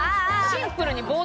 シンプルに冒涜！